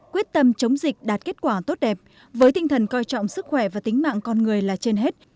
quyết tâm chống dịch đạt kết quả tốt đẹp với tinh thần coi trọng sức khỏe và tính mạng con người là trên hết